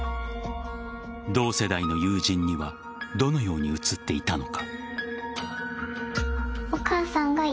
同世代の友人にはどのように映っていたのか。